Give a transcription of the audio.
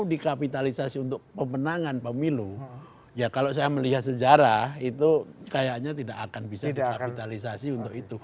kalau dikapitalisasi untuk pemenangan pemilu ya kalau saya melihat sejarah itu kayaknya tidak akan bisa dikapitalisasi untuk itu